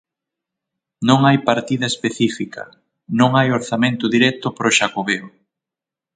Non hai partida específica, non hai orzamento directo para o Xacobeo.